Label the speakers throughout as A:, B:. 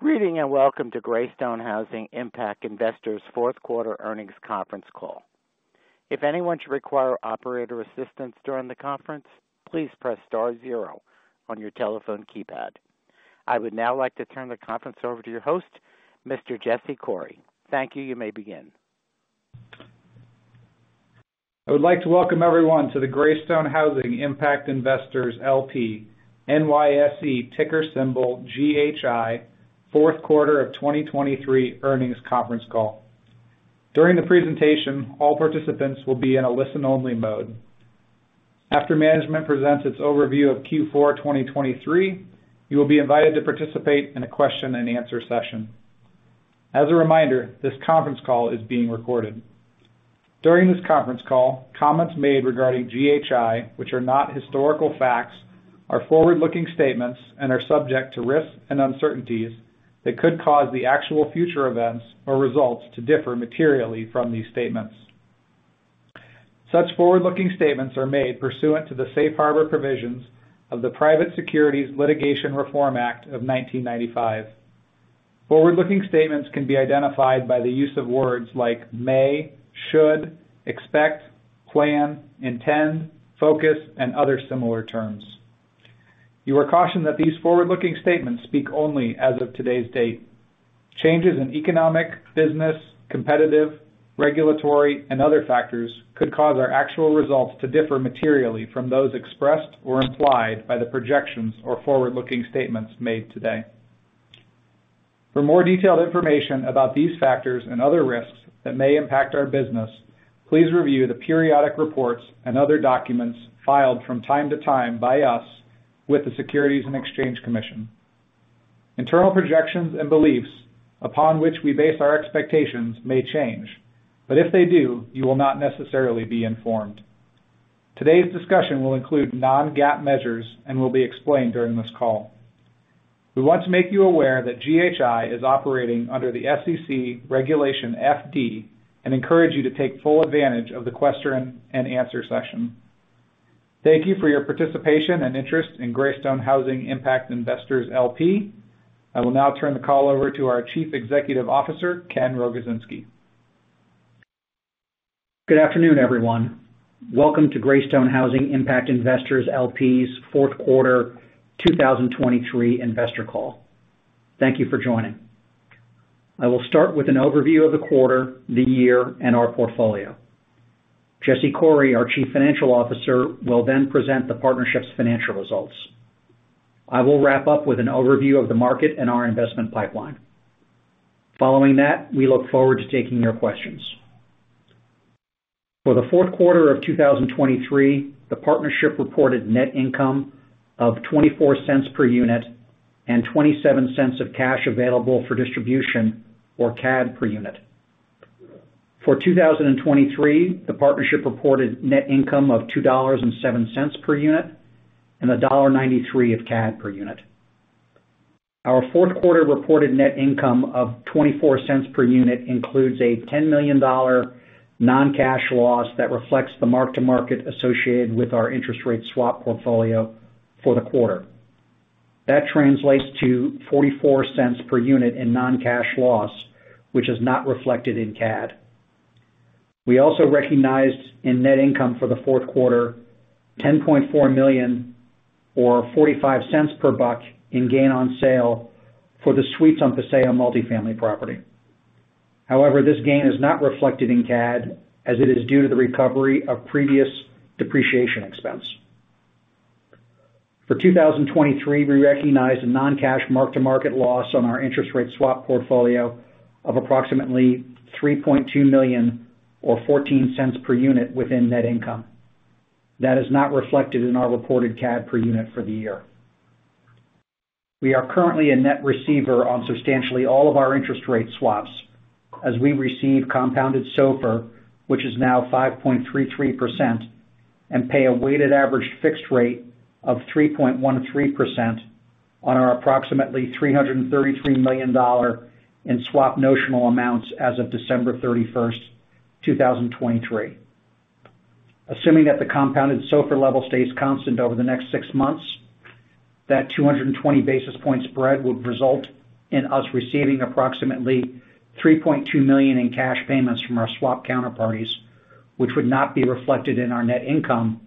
A: Greeting and welcome to Greystone Housing Impact Investors' fourth quarter earnings conference call. If anyone should require operator assistance during the conference, please press star zero on your telephone keypad. I would now like to turn the conference over to your host, Mr. Jesse Coury. Thank you. You may begin.
B: I would like to welcome everyone to the Greystone Housing Impact Investors LP NYSE ticker symbol GHI fourth quarter of 2023 earnings conference call. During the presentation, all participants will be in a listen-only mode. After management presents its overview of Q4 2023, you will be invited to participate in a question-and-answer session. As a reminder, this conference call is being recorded. During this conference call, comments made regarding GHI, which are not historical facts, are forward-looking statements and are subject to risks and uncertainties that could cause the actual future events or results to differ materially from these statements. Such forward-looking statements are made pursuant to the Safe Harbor provisions of the Private Securities Litigation Reform Act of 1995. Forward-looking statements can be identified by the use of words like may, should, expect, plan, intend, focus, and other similar terms. You are cautioned that these forward-looking statements speak only as of today's date. Changes in economic, business, competitive, regulatory, and other factors could cause our actual results to differ materially from those expressed or implied by the projections or forward-looking statements made today. For more detailed information about these factors and other risks that may impact our business, please review the periodic reports and other documents filed from time to time by us with the Securities and Exchange Commission. Internal projections and beliefs upon which we base our expectations may change, but if they do, you will not necessarily be informed. Today's discussion will include non-GAAP measures and will be explained during this call. We want to make you aware that GHI is operating under the SEC Regulation FD and encourage you to take full advantage of the question-and-answer session. Thank you for your participation and interest in Greystone Housing Impact Investors LP. I will now turn the call over to our Chief Executive Officer, Ken Rogozinski.
C: Good afternoon, everyone. Welcome to Greystone Housing Impact Investors LP's fourth quarter 2023 investor call. Thank you for joining. I will start with an overview of the quarter, the year, and our portfolio. Jesse Coury, our Chief Financial Officer, will then present the partnership's financial results. I will wrap up with an overview of the market and our investment pipeline. Following that, we look forward to taking your questions. For the fourth quarter of 2023, the partnership reported net income of $0.24 per unit and $0.27 of cash available for distribution, or CAD per unit. For 2023, the partnership reported net income of $2.07 per unit and $1.93 of CAD per unit. Our fourth quarter reported net income of $0.24 per unit includes a $10 million non-cash loss that reflects the mark-to-market associated with our interest rate swap portfolio for the quarter. That translates to $0.44 per unit in non-cash loss, which is not reflected in CAD. We also recognized in net income for the fourth quarter $10.4 million, or $0.45 per BUC, in gain on sale for the Suites on Paseo multifamily property. However, this gain is not reflected in CAD as it is due to the recovery of previous depreciation expense. For 2023, we recognized a non-cash mark-to-market loss on our interest rate swap portfolio of approximately $3.2 million, or $0.14 per unit, within net income. That is not reflected in our reported CAD per unit for the year. We are currently a net receiver on substantially all of our interest rate swaps as we receive compounded SOFR, which is now 5.33%, and pay a weighted average fixed rate of 3.13% on our approximately $333 million in swap notional amounts as of December 31, 2023. Assuming that the compounded SOFR level stays constant over the next six months, that 220 basis points spread would result in us receiving approximately $3.2 million in cash payments from our swap counterparties, which would not be reflected in our net income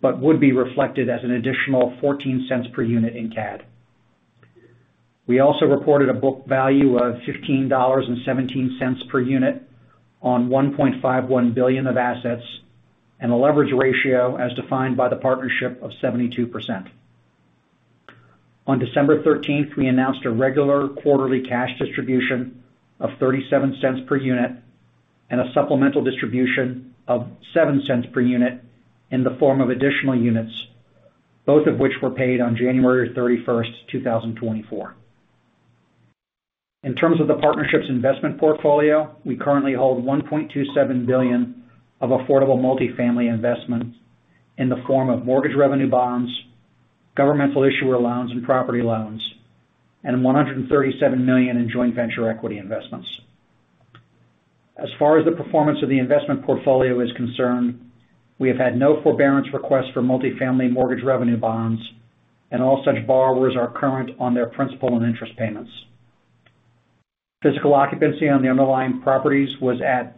C: but would be reflected as an additional $0.14 per unit in CAD. We also reported a book value of $15.17 per unit on $1.51 billion of assets and a leverage ratio as defined by the partnership of 72%. On December 13, we announced a regular quarterly cash distribution of $0.37 per unit and a supplemental distribution of $0.07 per unit in the form of additional units, both of which were paid on January 31, 2024. In terms of the partnership's investment portfolio, we currently hold $1.27 billion of affordable multifamily investments in the form of mortgage revenue bonds, governmental issuer loans, and property loans, and $137 million in joint venture equity investments. As far as the performance of the investment portfolio is concerned, we have had no forbearance requests for multifamily mortgage revenue bonds, and all such borrowers are current on their principal and interest payments. Physical occupancy on the underlying properties was at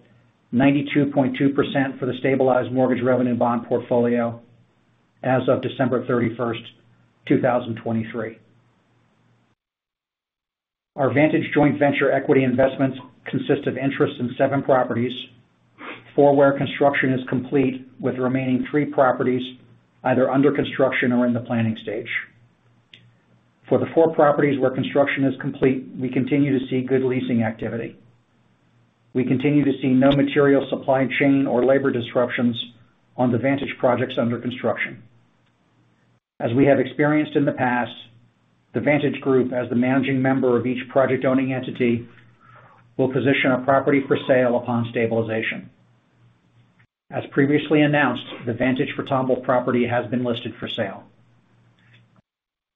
C: 92.2% for the stabilized mortgage revenue bond portfolio as of December 31, 2023. Our Vantage joint venture equity investments consist of interest in seven properties, four where construction is complete with remaining three properties either under construction or in the planning stage. For the four properties where construction is complete, we continue to see good leasing activity. We continue to see no material supply chain or labor disruptions on the Vantage projects under construction. As we have experienced in the past, the Vantage Group, as the managing member of each project-owning entity, will position a property for sale upon stabilization. As previously announced, the Vantage at Tomball property has been listed for sale.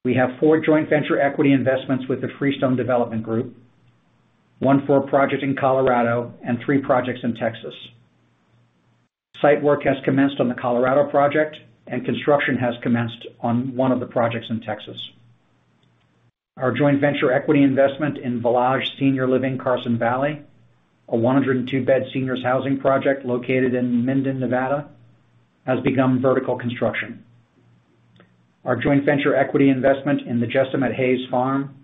C: We have four joint venture equity investments with the Freestone Development Group, one for a project in Colorado, and three projects in Texas. Site work has commenced on the Colorado project, and construction has commenced on one of the projects in Texas. Our joint venture equity investment in Valage Senior Living Carson Valley, a 102-bed senior housing project located in Minden, Nevada, has become vertical construction. Our joint venture equity investment in the Jessamyn Hays Farm,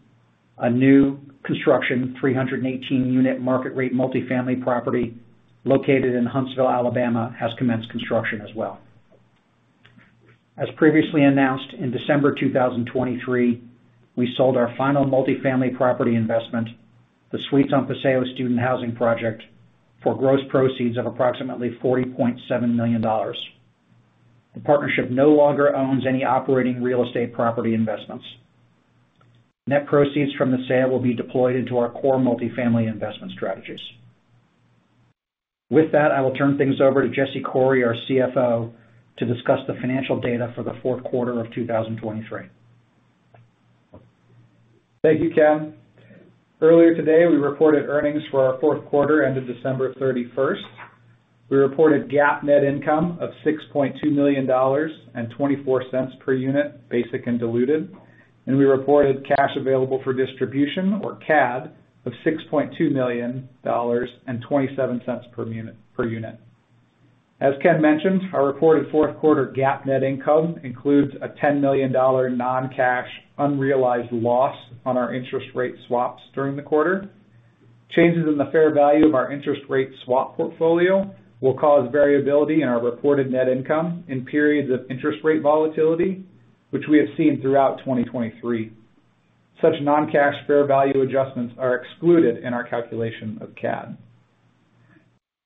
C: a new construction 318-unit market-rate multifamily property located in Huntsville, Alabama, has commenced construction as well. As previously announced, in December 2023, we sold our final multifamily property investment, the Suites on Paseo student housing project, for gross proceeds of approximately $40.7 million. The partnership no longer owns any operating real estate property investments. Net proceeds from the sale will be deployed into our core multifamily investment strategies. With that, I will turn things over to Jesse Coury, our Chief Financial Officer, to discuss the financial data for the fourth quarter of 2023.
B: Thank you, Ken. Earlier today, we reported earnings for our fourth quarter ended December 31. We reported GAAP net income of $6.2 million and $0.24 per unit, basic and diluted, and we reported cash available for distribution, or CAD, of $6.2 million and $0.27 per unit. As Ken mentioned, our reported fourth quarter GAAP net income includes a $10 million non-cash unrealized loss on our interest rate swaps during the quarter. Changes in the fair value of our interest rate swap portfolio will cause variability in our reported net income in periods of interest rate volatility, which we have seen throughout 2023. Such non-cash fair value adjustments are excluded in our calculation of CAD.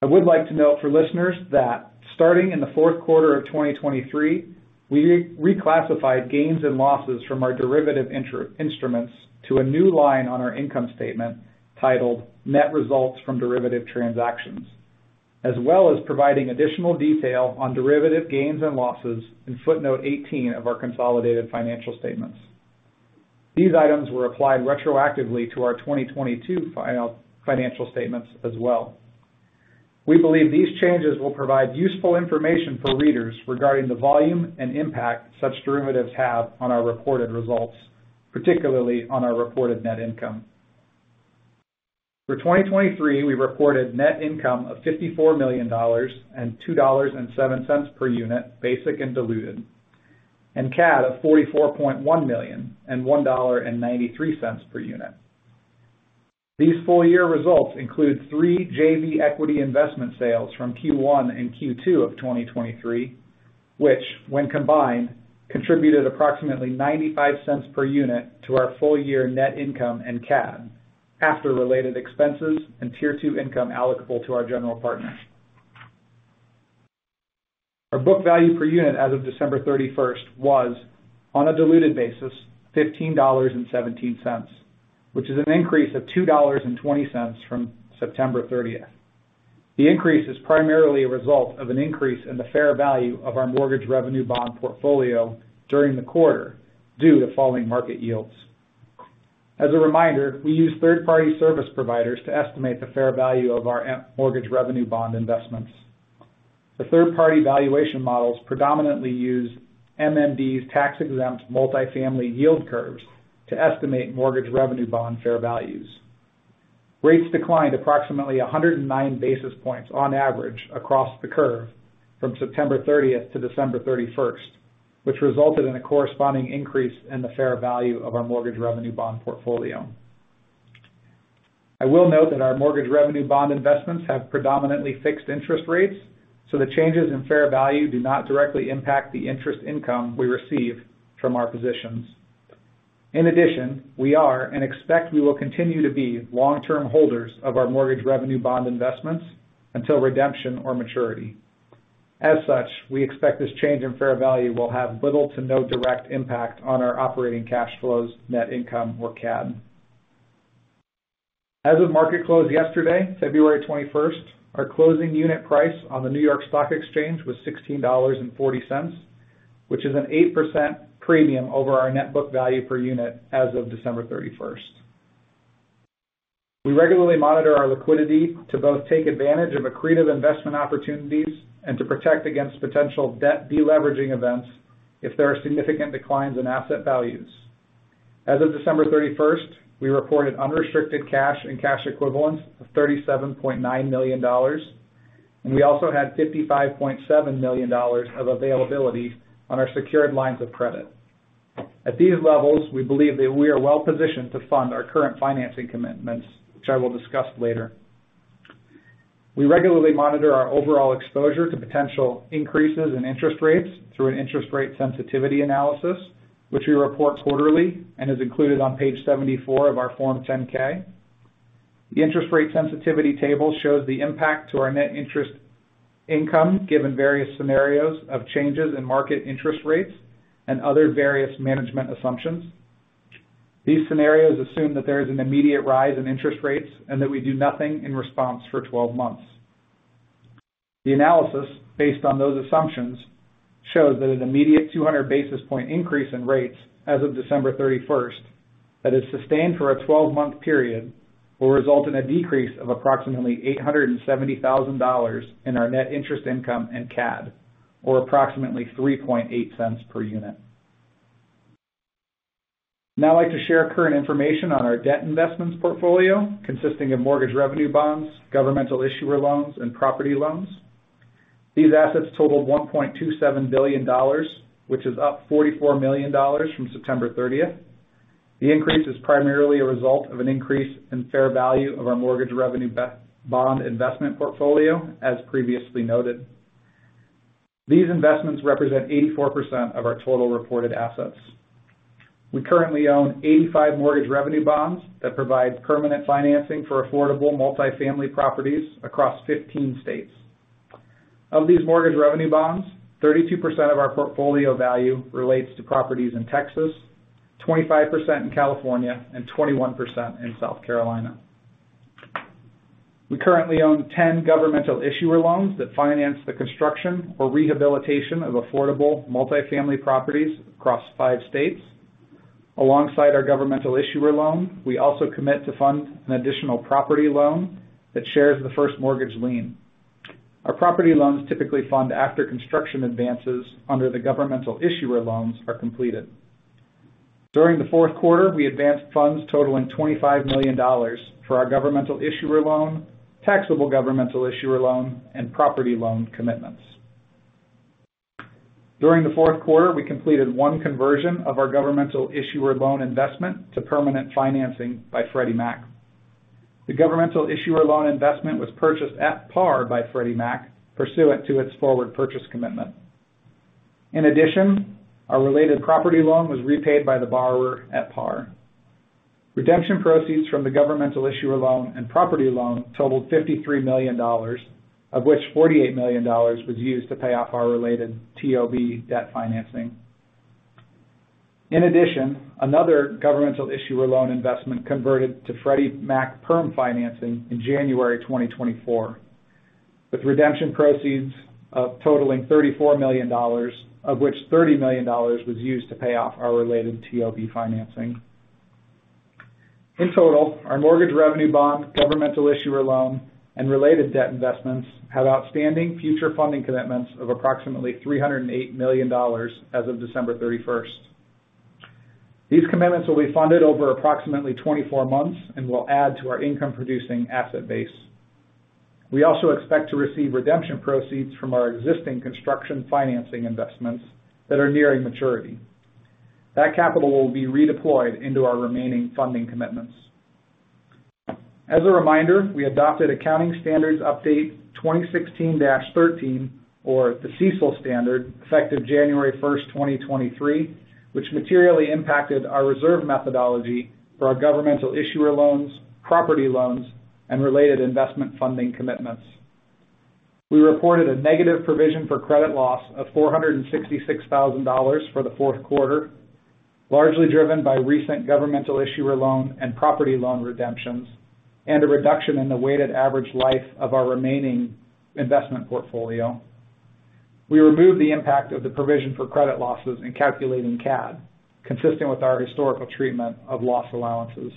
B: I would like to note for listeners that starting in the fourth quarter of 2023, we reclassified gains and losses from our derivative instruments to a new line on our income statement titled Net Results from Derivative Transactions, as well as providing additional detail on derivative gains and losses in footnote 18 of our consolidated financial statements. These items were applied retroactively to our 2022 financial statements as well. We believe these changes will provide useful information for readers regarding the volume and impact such derivatives have on our reported results, particularly on our reported net income. For 2023, we reported net income of $54 million and $2.07 per unit, basic and diluted, and CAD of $44.1 million and $1.93 per unit. These full-year results include three JV equity investment sales from Q1 and Q2 of 2023, which, when combined, contributed approximately $0.95 per unit to our full-year net income and CAD after related expenses and tier two income allocable to our general partner. Our book value per unit as of December 31 was, on a diluted basis, $15.17, which is an increase of $2.20 from September 30. The increase is primarily a result of an increase in the fair value of our mortgage revenue bond portfolio during the quarter due to falling market yields. As a reminder, we use third-party service providers to estimate the fair value of our mortgage revenue bond investments. The third-party valuation models predominantly use MMD's tax-exempt multifamily yield curves to estimate mortgage revenue bond fair values. Rates declined approximately 109 basis points on average across the curve from September 30 to December 31, which resulted in a corresponding increase in the fair value of our mortgage revenue bond portfolio. I will note that our mortgage revenue bond investments have predominantly fixed interest rates, so the changes in fair value do not directly impact the interest income we receive from our positions. In addition, we are and expect we will continue to be long-term holders of our mortgage revenue bond investments until redemption or maturity. As such, we expect this change in fair value will have little to no direct impact on our operating cash flows, net income, or CAD. As of market close yesterday, February 21, our closing unit price on the New York Stock Exchange was $16.40, which is an 8% premium over our net book value per unit as of December 31. We regularly monitor our liquidity to both take advantage of accretive investment opportunities and to protect against potential debt deleveraging events if there are significant declines in asset values. As of December 31, we reported unrestricted cash and cash equivalents of $37.9 million, and we also had $55.7 million of availability on our secured lines of credit. At these levels, we believe that we are well positioned to fund our current financing commitments, which I will discuss later. We regularly monitor our overall exposure to potential increases in interest rates through an interest rate sensitivity analysis, which we report quarterly and is included on page 74 of our Form 10-K. The interest rate sensitivity table shows the impact to our net interest income given various scenarios of changes in market interest rates and other various management assumptions. These scenarios assume that there is an immediate rise in interest rates and that we do nothing in response for 12 months. The analysis, based on those assumptions, shows that an immediate 200 basis point increase in rates as of December 31 that is sustained for a 12-month period will result in a decrease of approximately $870,000 in our net interest income and CAD, or approximately $0.38 per unit. Now I'd like to share current information on our debt investments portfolio consisting of mortgage revenue bonds, governmental issuer loans, and property loans. These assets totaled $1.27 billion, which is up $44 million from September 30. The increase is primarily a result of an increase in fair value of our mortgage revenue bond investment portfolio, as previously noted. These investments represent 84% of our total reported assets. We currently own 85 mortgage revenue bonds that provide permanent financing for affordable multifamily properties across 15 states. Of these mortgage revenue bonds, 32% of our portfolio value relates to properties in Texas, 25% in California, and 21% in South Carolina. We currently own 10 governmental issuer loans that finance the construction or rehabilitation of affordable multifamily properties across five states. Alongside our governmental issuer loan, we also commit to fund an additional property loan that shares the first mortgage lien. Our property loans typically fund after construction advances under the governmental issuer loans are completed. During the fourth quarter, we advanced funds totaling $25 million for our governmental issuer loan, taxable governmental issuer loan, and property loan commitments. During the fourth quarter, we completed one conversion of our governmental issuer loan investment to permanent financing by Freddie Mac. The governmental issuer loan investment was purchased at par by Freddie Mac pursuant to its forward purchase commitment. In addition, our related property loan was repaid by the borrower at par. Redemption proceeds from the governmental issuer loan and property loan totaled $53 million, of which $48 million was used to pay off our related TOB debt financing. In addition, another governmental issuer loan investment converted to Freddie Mac perm financing in January 2024 with redemption proceeds totaling $34 million, of which $30 million was used to pay off our related TOB financing. In total, our mortgage revenue bond, governmental issuer loan, and related debt investments have outstanding future funding commitments of approximately $308 million as of December 31. These commitments will be funded over approximately 24 months and will add to our income-producing asset base. We also expect to receive redemption proceeds from our existing construction financing investments that are nearing maturity. That capital will be redeployed into our remaining funding commitments. As a reminder, we adopted Accounting Standards Update 2016-13, or the CECL standard, effective January 1, 2023, which materially impacted our reserve methodology for our governmental issuer loans, property loans, and related investment funding commitments. We reported a negative provision for credit loss of $466,000 for the fourth quarter, largely driven by recent governmental issuer loan and property loan redemptions, and a reduction in the weighted average life of our remaining investment portfolio. We removed the impact of the provision for credit losses in calculating CAD, consistent with our historical treatment of loss allowances.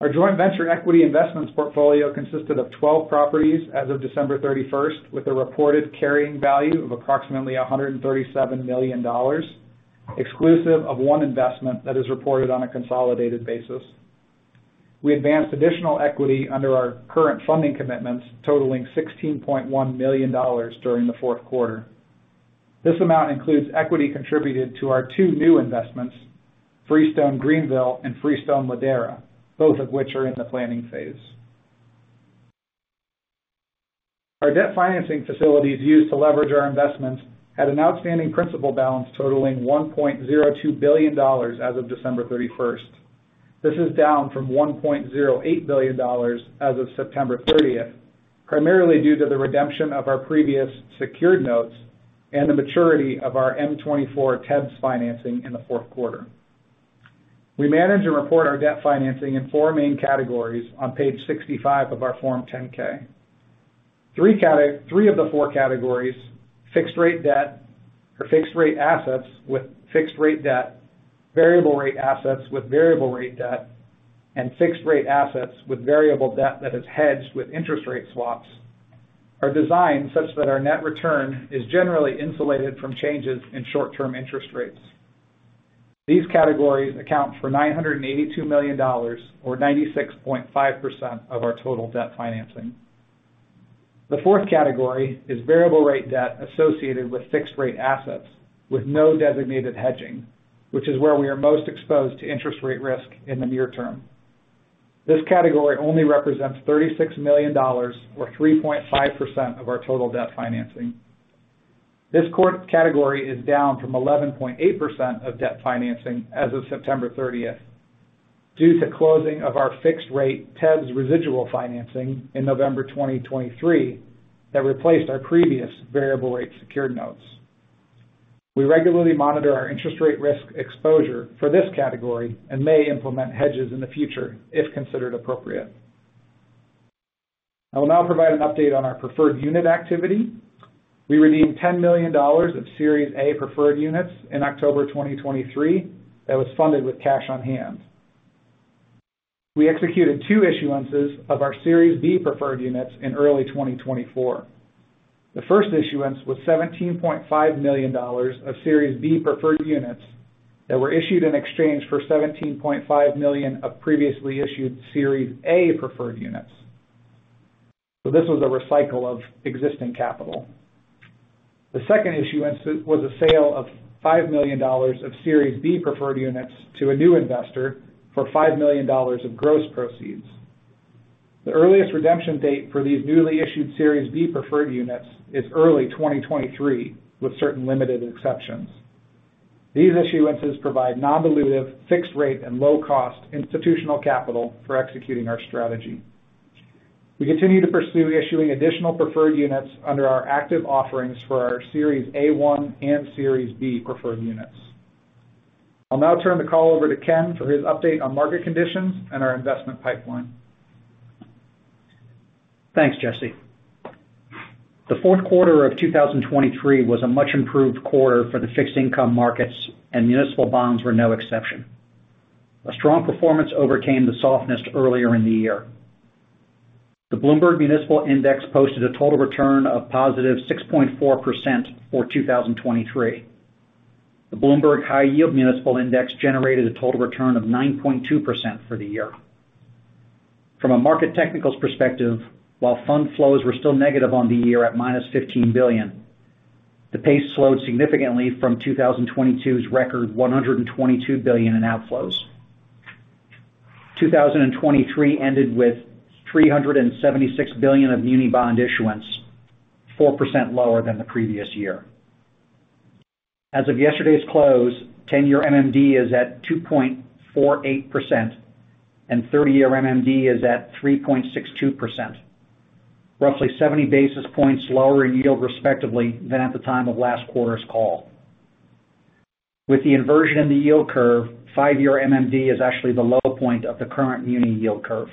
B: Our joint venture equity investments portfolio consisted of 12 properties as of December 31 with a reported carrying value of approximately $137 million, exclusive of one investment that is reported on a consolidated basis. We advanced additional equity under our current funding commitments totaling $16.1 million during the fourth quarter. This amount includes equity contributed to our two new investments, Freestone Greenville and Freestone Ladera, both of which are in the planning phase. Our debt financing facilities used to leverage our investments had an outstanding principal balance totaling $1.02 billion as of December 31. This is down from $1.08 billion as of September 30, primarily due to the redemption of our previous secured notes and the maturity of our M24 TEBS financing in the fourth quarter. We manage and report our debt financing in four main categories on page 65 of our Form 10-K. Three of the four categories, fixed-rate debt or fixed-rate assets with fixed-rate debt, variable-rate assets with variable-rate debt, and fixed-rate assets with variable debt that is hedged with interest rate swaps, are designed such that our net return is generally insulated from changes in short-term interest rates. These categories account for $982 million, or 96.5% of our total debt financing. The fourth category is variable-rate debt associated with fixed-rate assets with no designated hedging, which is where we are most exposed to interest rate risk in the near term. This category only represents $36 million, or 3.5% of our total debt financing. This category is down from 11.8% of debt financing as of September 30 due to closing of our fixed-rate TEBS residual financing in November 2023 that replaced our previous variable-rate secured notes. We regularly monitor our interest rate risk exposure for this category and may implement hedges in the future if considered appropriate. I will now provide an update on our preferred unit activity. We redeemed $10 million of Series A Preferred Units in October 2023 that was funded with cash on hand. We executed two issuances of our Series B Preferred Units in early 2024. The first issuance was $17.5 million of Series B Preferred Units that were issued in exchange for $17.5 million of previously issued Series A Preferred Units. So this was a recycle of existing capital. The second issuance was a sale of $5 million of Series B Preferred Units to a new investor for $5 million of gross proceeds. The earliest redemption date for these newly issued Series B Preferred Units is early 2023 with certain limited exceptions. These issuances provide non-dilutive, fixed-rate, and low-cost institutional capital for executing our strategy. We continue to pursue issuing additional preferred units under our active offerings for our Series A-1 and Series B preferred units. I'll now turn the call over to Ken for his update on market conditions and our investment pipeline.
C: Thanks, Jesse. The fourth quarter of 2023 was a much-improved quarter for the fixed-income markets, and municipal bonds were no exception. A strong performance overcame the softness earlier in the year. The Bloomberg Municipal Index posted a total return of positive 6.4% for 2023. The Bloomberg High Yield Municipal Index generated a total return of 9.2% for the year. From a market technicals perspective, while fund flows were still negative on the year at -$15 billion, the pace slowed significantly from 2022's record $122 billion in outflows. 2023 ended with $376 billion of muni bond issuance, 4% lower than the previous year. As of yesterday's close, 10-year MMD is at 2.48%, and 30-year MMD is at 3.62%, roughly 70 basis points lower in yield respectively than at the time of last quarter's call. With the inversion in the yield curve, 5-year MMD is actually the low point of the current muni yield curve.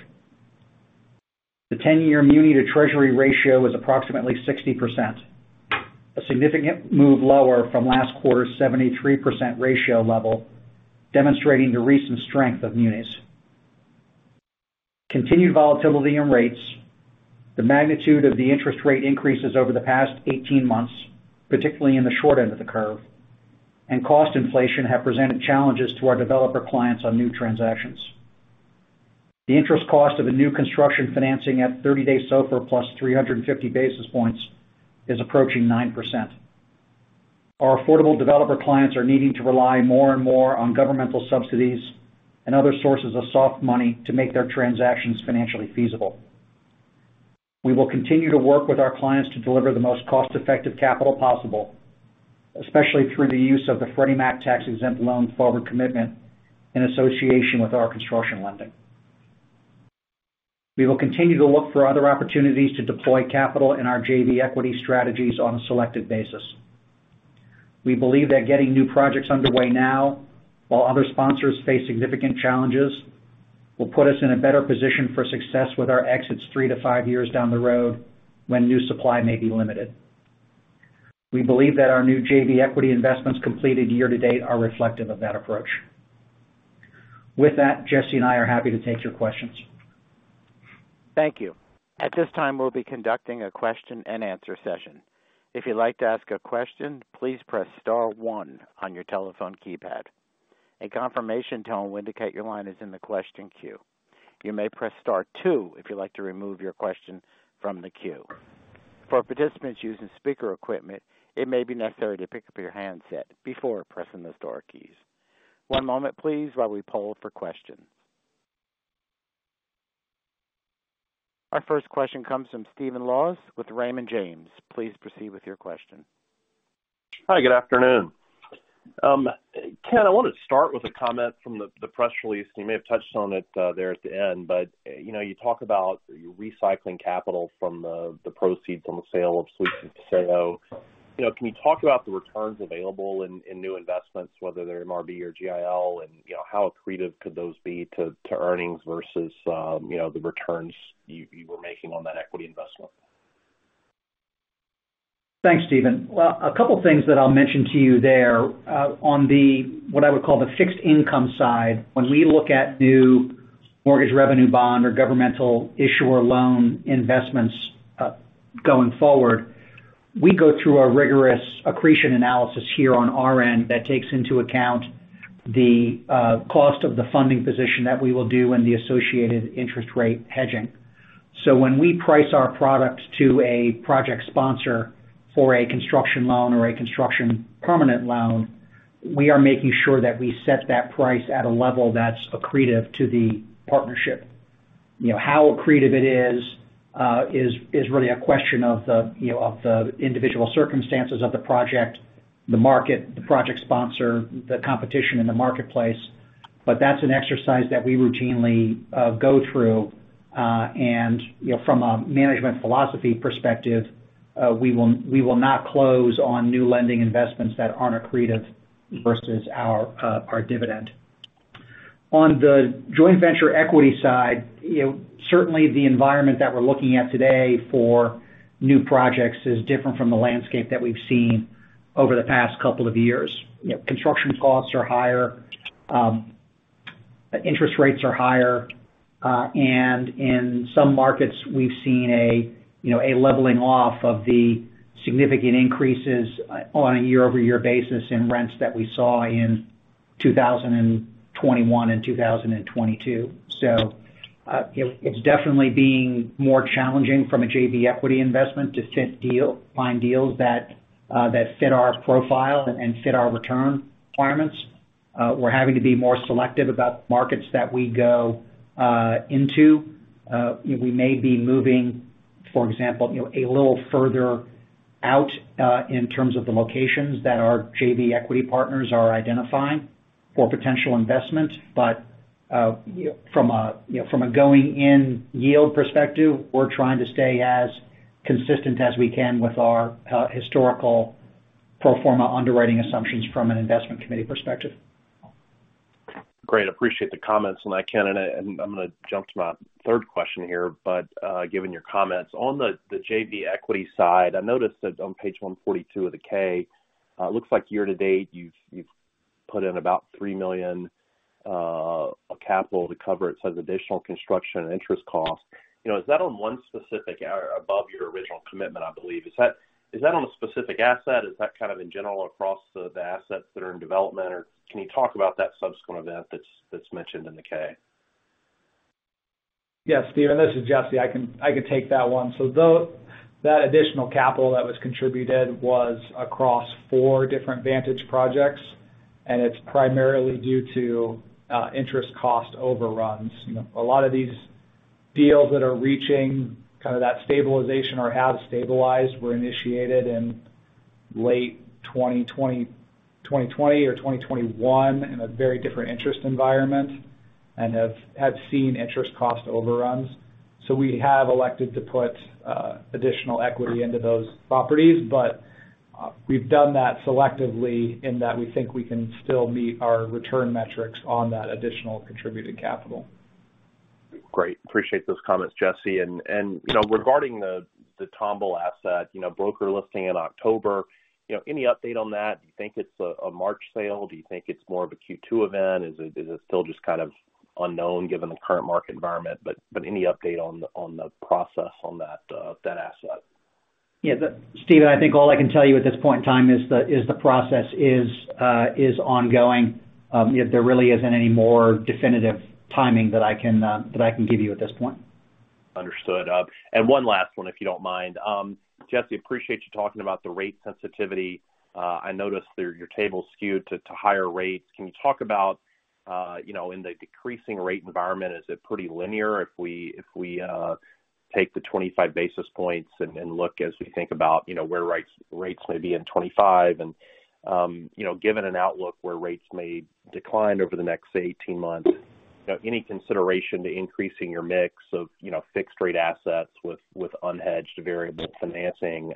C: The 10-year muni to treasury ratio is approximately 60%, a significant move lower from last quarter's 73% ratio level, demonstrating the recent strength of munis. Continued volatility in rates, the magnitude of the interest rate increases over the past 18 months, particularly in the short end of the curve, and cost inflation have presented challenges to our developer clients on new transactions. The interest cost of a new construction financing at 30-day SOFR plus 350 basis points is approaching 9%. Our affordable developer clients are needing to rely more and more on governmental subsidies and other sources of soft money to make their transactions financially feasible. We will continue to work with our clients to deliver the most cost-effective capital possible, especially through the use of the Freddie Mac tax-exempt loan forward commitment in association with our construction lending. We will continue to look for other opportunities to deploy capital in our JV equity strategies on a selected basis. We believe that getting new projects underway now, while other sponsors face significant challenges, will put us in a better position for success with our exits three to five years down the road when new supply may be limited. We believe that our new JV equity investments completed year to date are reflective of that approach. With that, Jesse and I are happy to take your questions. Thank you.
A: At this time, we'll be conducting a question-and-answer session. If you'd like to ask a question, please press star 1 on your telephone keypad. A confirmation tone will indicate your line is in the question queue. You may press star two if you'd like to remove your question from the queue. For participants using speaker equipment, it may be necessary to pick up your handset before pressing the star keys. One moment, please, while we poll for questions. Our first question comes from Stephen Laws with Raymond James. Please proceed with your question.
D: Hi. Good afternoon. Ken, I wanted to start with a comment from the press release. And you may have touched on it there at the end. But you talk about recycling capital from the proceeds from the sale of Suites on Paseo. Can you talk about the returns available in new investments, whether they're MRB or GIL, and how accretive could those be to earnings versus the returns you were making on that equity investment?
C: Thanks, Stephen. Well, a couple of things that I'll mention to you there on what I would call the fixed-income side. When we look at new mortgage revenue bond or governmental issuer loan investments going forward, we go through a rigorous accretion analysis here on our end that takes into account the cost of the funding position that we will do and the associated interest rate hedging. So when we price our product to a project sponsor for a construction loan or a construction permanent loan, we are making sure that we set that price at a level that's accretive to the partnership. How accretive it is really a question of the individual circumstances of the project, the market, the project sponsor, the competition in the marketplace. But that's an exercise that we routinely go through. And from a management philosophy perspective, we will not close on new lending investments that aren't accretive versus our dividend. On the joint venture equity side, certainly, the environment that we're looking at today for new projects is different from the landscape that we've seen over the past couple of years. Construction costs are higher. Interest rates are higher. And in some markets, we've seen a leveling off of the significant increases on a year-over-year basis in rents that we saw in 2021 and 2022. So it's definitely being more challenging from a JV equity investment to find deals that fit our profile and fit our return requirements. We're having to be more selective about the markets that we go into. We may be moving, for example, a little further out in terms of the locations that our JV equity partners are identifying for potential investment. But from a going-in yield perspective, we're trying to stay as consistent as we can with our historical pro forma underwriting assumptions from an investment committee perspective.
D: Great. I appreciate the comments. And I, Ken, and I'm going to jump to my third question here. But given your comments on the JV equity side, I noticed that on page 142 of the 10-K, it looks like year to date, you've put in about $3 million of capital to cover its additional construction and interest costs. Is that on one specific above your original commitment, I believe. Is that on a specific asset? Is that kind of in general across the assets that are in development? Or can you talk about that subsequent event that's mentioned in the K?
B: Yes, Stephen. This is Jesse. I can take that one. So that additional capital that was contributed was across four different Vantage projects. And it's primarily due to interest cost overruns. A lot of these deals that are reaching kind of that stabilization or have stabilized were initiated in late 2020 or 2021 in a very different interest environment and have seen interest cost overruns. So we have elected to put additional equity into those properties. But we've done that selectively in that we think we can still meet our return metrics on that additional contributed capital.
D: Great. Appreciate those comments, Jesse. And regarding the Tomball asset, broker listing in October, any update on that? Do you think it's a March sale? Do you think it's more of a Q2 event? Is it still just kind of unknown given the current market environment? But any update on the process on that asset?
C: Yeah. Stephen, I think all I can tell you at this point in time is the process is ongoing. There really isn't any more definitive timing that I can give you at this point.
D: Understood. And one last one, if you don't mind. Jesse, appreciate you talking about the rate sensitivity. I noticed your table skewed to higher rates. Can you talk about, in the decreasing rate environment, is it pretty linear if we take the 25 basis points and look as we think about where rates may be in 2025? And given an outlook where rates may decline over the next 18 months, any consideration to increasing your mix of fixed-rate assets with unhedged variable financing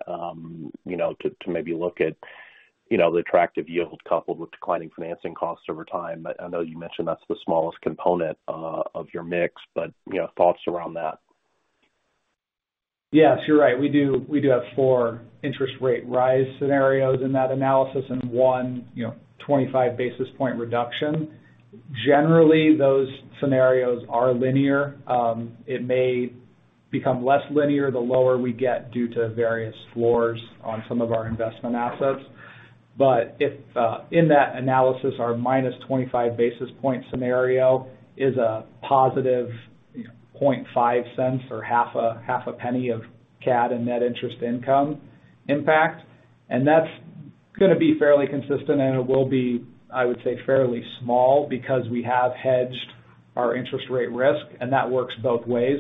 D: to maybe look at the attractive yield coupled with declining financing costs over time? I know you mentioned that's the smallest component of your mix. But thoughts around that?
B: Yeah. You're right. We do have four interest rate rise scenarios in that analysis and one 25 basis point reduction. Generally, those scenarios are linear. It may become less linear the lower we get due to various floors on some of our investment assets. But in that analysis, our minus 25 basis point scenario is a positive 0.5 cents or half a penny of CAD and net interest income impact. And that's going to be fairly consistent. And it will be, I would say, fairly small because we have hedged our interest rate risk. And that works both ways.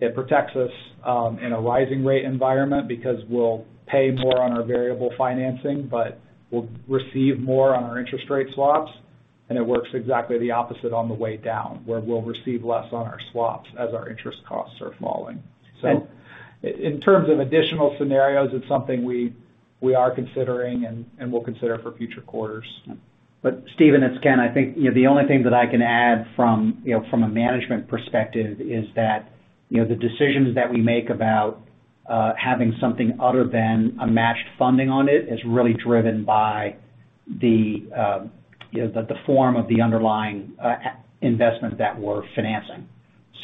B: It protects us in a rising rate environment because we'll pay more on our variable financing, but we'll receive more on our interest rate swaps. And it works exactly the opposite on the way down, where we'll receive less on our swaps as our interest costs are falling. So in terms of additional scenarios, it's something we are considering and will consider for future quarters.
C: But Stephen, it's Ken. I think the only thing that I can add from a management perspective is that the decisions that we make about having something other than a matched funding on it is really driven by the form of the underlying investment that we're financing.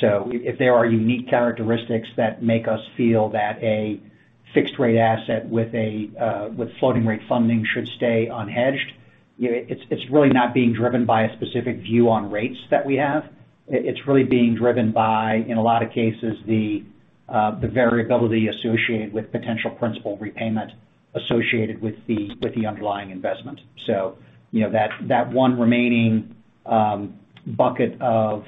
C: So if there are unique characteristics that make us feel that a fixed-rate asset with floating-rate funding should stay unhedged, it's really not being driven by a specific view on rates that we have. It's really being driven by, in a lot of cases, the variability associated with potential principal repayment associated with the underlying investment. So that one remaining bucket of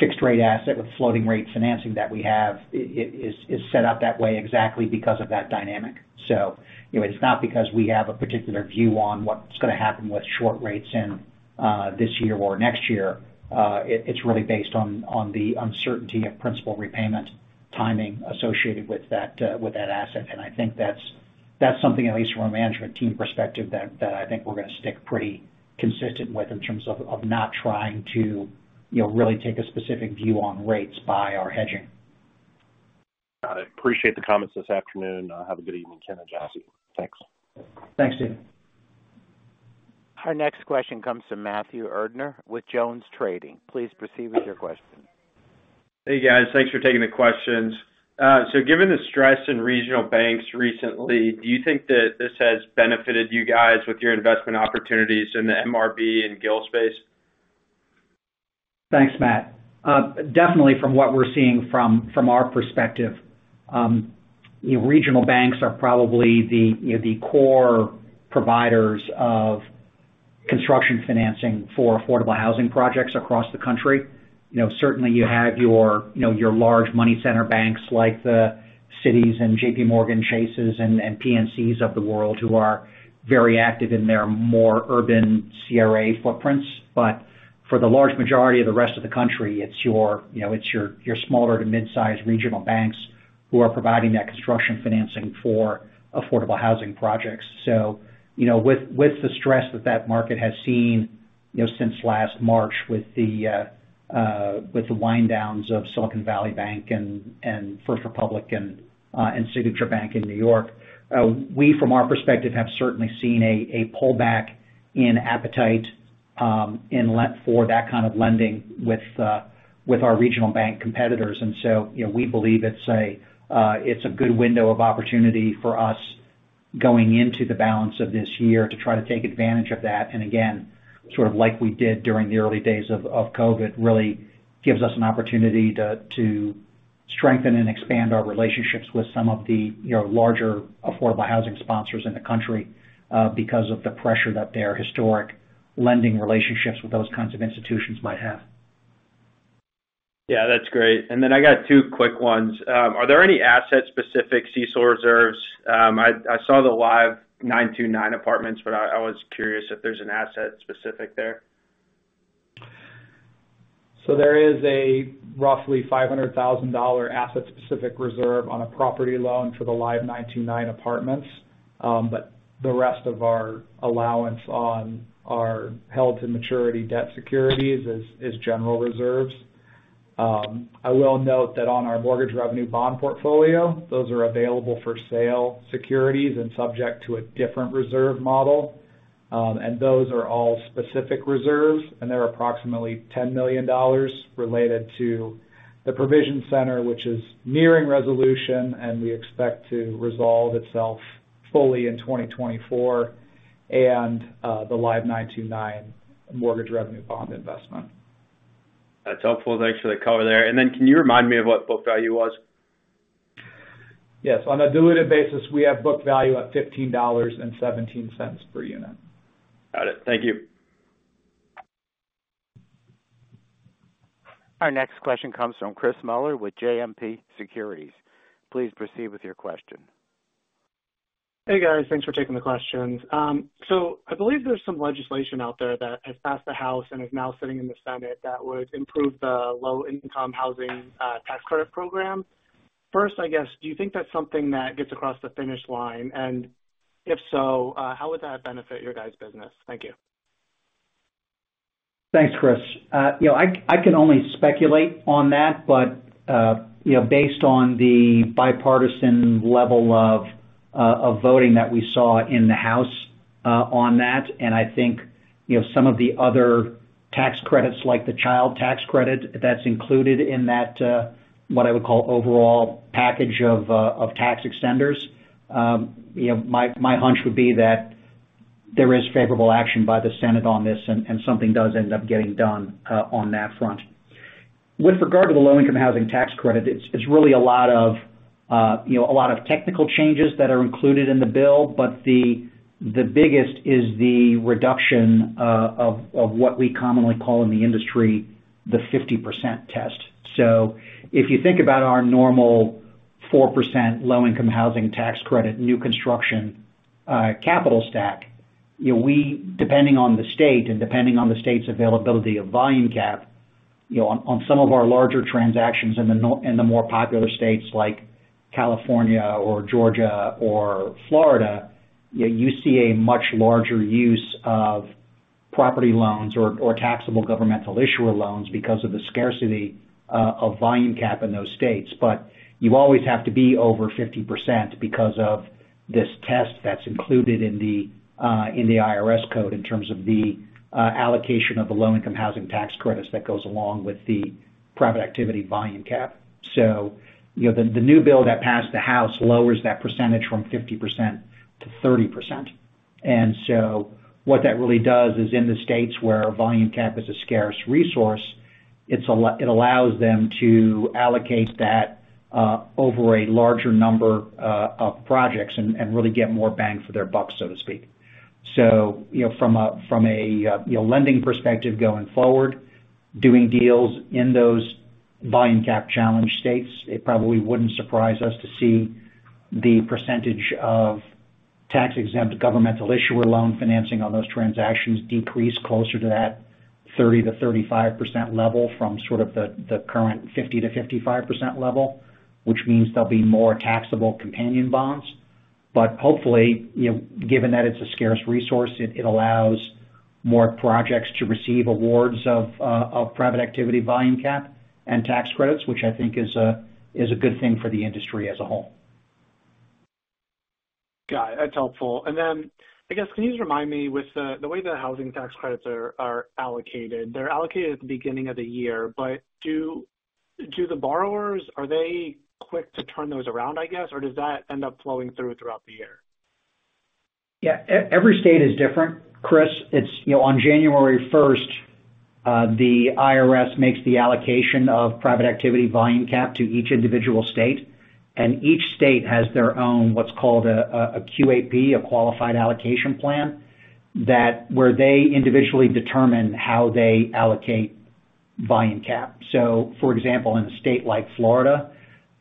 C: fixed-rate asset with floating-rate financing that we have is set up that way exactly because of that dynamic. So it's not because we have a particular view on what's going to happen with short rates this year or next year. It's really based on the uncertainty of principal repayment timing associated with that asset. I think that's something, at least from a management team perspective, that I think we're going to stick pretty consistent with in terms of not trying to really take a specific view on rates by our hedging.
D: Got it. Appreciate the comments this afternoon. Have a good evening, Ken and Jesse. Thanks.
C: Thanks, Stephen.
A: Our next question comes from Matthew Erdner with JonesTrading. Please proceed with your question.
E: Hey, guys. Thanks for taking the questions. So given the stress in regional banks recently, do you think that this has benefited you guys with your investment opportunities in the MRB and GIL space?
C: Thanks, Matt. Definitely, from what we're seeing from our perspective, regional banks are probably the core providers of construction financing for affordable housing projects across the country. Certainly, you have your large money center banks like Citi and JPMorgan Chase and PNCs of the world who are very active in their more urban CRA footprints. But for the large majority of the rest of the country, it's your smaller to midsize regional banks who are providing that construction financing for affordable housing projects. So with the stress that that market has seen since last March with the winddowns of Silicon Valley Bank and First Republic and Signature Bank in New York, we, from our perspective, have certainly seen a pullback in appetite for that kind of lending with our regional bank competitors. And so we believe it's a good window of opportunity for us going into the balance of this year to try to take advantage of that. And again, sort of like we did during the early days of COVID, really gives us an opportunity to strengthen and expand our relationships with some of the larger affordable housing sponsors in the country because of the pressure that their historic lending relationships with those kinds of institutions might have.
E: Yeah. That's great. And then I got two quick ones. Are there any asset-specific CECL reserves? I saw the Live 929 apartments. But I was curious if there's an asset-specific there.
B: So there is a roughly $500,000 asset-specific reserve on a property loan for the Live 929 apartments. But the rest of our allowance for held-to-maturity debt securities is general reserves. I will note that on our Mortgage Revenue Bond portfolio, those are available-for-sale securities and subject to a different reserve model. And those are all specific reserves. And they're approximately $10 million related to the Provision Center, which is nearing resolution. And we expect to resolve itself fully in 2024 and the Live 929 mortgage revenue bond investment.
E: That's helpful. Thanks for the color there. And then can you remind me of what book value was?
B: Yes. On a diluted basis, we have book value at $15.17 per unit.
E: Got it. Thank you.
A: Our next question comes from Chris Muller with JMP Securities. Please proceed with your question.
F: Hey, guys. Thanks for taking the questions. So I believe there's some legislation out there that has passed the House and is now sitting in the Senate that would improve the low-income housing tax credit program. First, I guess, do you think that's something that gets across the finish line? And if so, how would that benefit your guys' business? Thank you.
C: Thanks, Chris. I can only speculate on that. But based on the bipartisan level of voting that we saw in the House on that and I think some of the other tax credits like the child tax credit that's included in that, what I would call, overall package of tax extenders, my hunch would be that there is favorable action by the Senate on this. And something does end up getting done on that front. With regard to the low-income housing tax credit, it's really a lot of technical changes that are included in the bill. But the biggest is the reduction of what we commonly call in the industry the 50% test. So if you think about our normal 4% low-income housing tax credit new construction capital stack, depending on the state and depending on the state's availability of volume cap, on some of our larger transactions in the more popular states like California or Georgia or Florida, you see a much larger use of property loans or taxable governmental issuer loans because of the scarcity of volume cap in those states. But you always have to be over 50% because of this test that's included in the IRS code in terms of the allocation of the low-income housing tax credits that goes along with the private activity volume cap. So the new bill that passed the House lowers that percentage from 50% to 30%. And so what that really does is, in the states where volume cap is a scarce resource, it allows them to allocate that over a larger number of projects and really get more bang for their buck, so to speak. So from a lending perspective going forward, doing deals in those volume cap challenge states, it probably wouldn't surprise us to see the percentage of tax-exempt governmental issuer loan financing on those transactions decrease closer to that 30%-35% level from sort of the current 50%-55% level, which means there'll be more taxable companion bonds. But hopefully, given that it's a scarce resource, it allows more projects to receive awards of private activity volume cap and tax credits, which I think is a good thing for the industry as a whole.
F: Got it. That's helpful. Then, I guess, can you just remind me, with the way the housing tax credits are allocated, they're allocated at the beginning of the year. But do the borrowers, are they quick to turn those around, I guess? Or does that end up flowing through throughout the year?
C: Yeah. Every state is different, Chris. On January 1st, the IRS makes the allocation of private activity volume cap to each individual state. Each state has their own what's called a QAP, a Qualified Allocation Plan, where they individually determine how they allocate volume cap. So for example, in a state like Florida,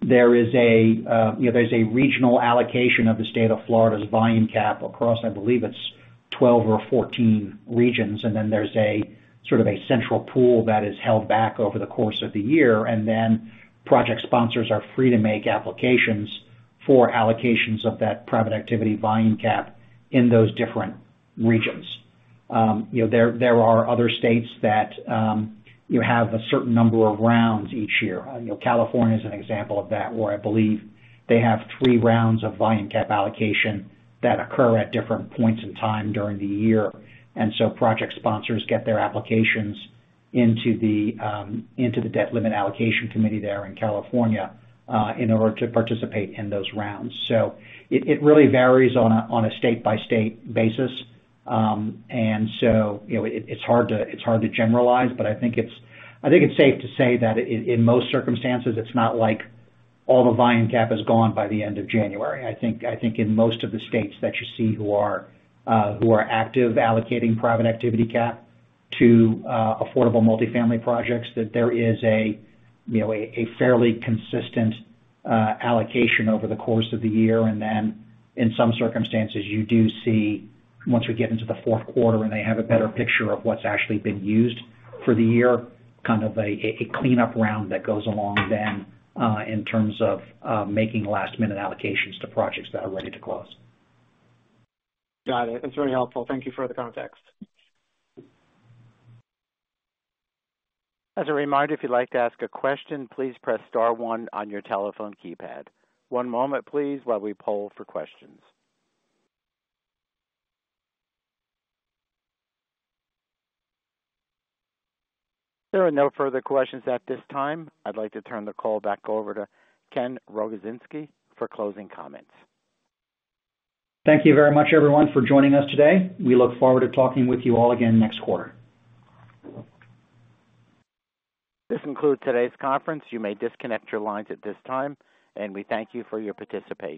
C: there is a regional allocation of the state of Florida's volume cap across, I believe it's 12 or 14 regions. Then there's sort of a central pool that is held back over the course of the year. Then project sponsors are free to make applications for allocations of that private activity volume cap in those different regions. There are other states that have a certain number of rounds each year. California is an example of that, where I believe they have three rounds of volume cap allocation that occur at different points in time during the year. Project sponsors get their applications into the debt limit allocation committee there in California in order to participate in those rounds. It really varies on a state-by-state basis. It's hard to generalize. But I think it's safe to say that, in most circumstances, it's not like all the volume cap is gone by the end of January. I think in most of the states that you see who are active allocating private activity cap to affordable multifamily projects, that there is a fairly consistent allocation over the course of the year. And then in some circumstances, you do see, once we get into the fourth quarter and they have a better picture of what's actually been used for the year, kind of a cleanup round that goes along then in terms of making last-minute allocations to projects that are ready to close.
F: Got it. That's really helpful. Thank you for the context.
A: As a reminder, if you'd like to ask a question, please press star 1 on your telephone keypad. One moment, please, while we poll for questions. There are no further questions at this time. I'd like to turn the call back over to Ken Rogozinski for closing comments. Thank you very much, everyone, for joining us today. We look forward to talking with you all again next quarter. This concludes today's conference. You may disconnect your lines at this time. We thank you for your participation.